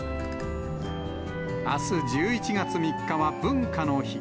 あす１１月３日は文化の日。